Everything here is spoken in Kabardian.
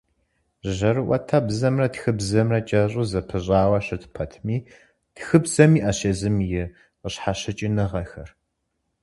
Жьэрыӏуэтэбзэмрэ тхыбзэмрэ кӏэщӏу зэпыщӏауэ щыт пэтми, тхыбзэм иӏэщ езым и къыщхьэщыкӏыныгъэхэр.